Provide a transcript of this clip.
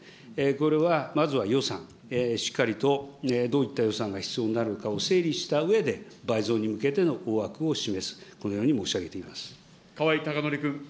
これは、まずは予算、しっかりとどういった予算が必要になるのかを整理したうえで、倍増に向けての大枠を示す、このように申し上げています。